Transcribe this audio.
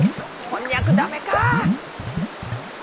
こんにゃく駄目か！